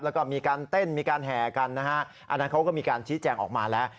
แล้วก็มีการเต้นมีการแห่กันนะฮะอันนั้นเขาก็มีการชี้แจงออกมาแล้ว